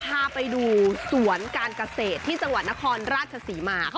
พาไปดูสวนการเกษตรที่จังหวัดนครราชศรีมา